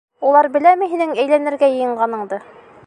Улар беләме һинең әйләнергә йыйынғаныңды?